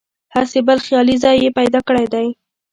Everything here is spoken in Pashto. هسې بل خیالي ځای یې پیدا کړی دی.